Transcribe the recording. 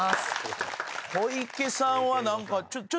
小池さんは何か。